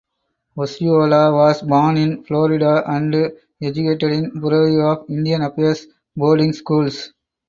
Osceola was born in Florida and educated in Bureau of Indian Affairs boarding schools.